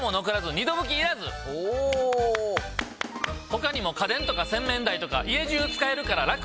他にも家電とか洗面台とか家じゅう使えるからラク！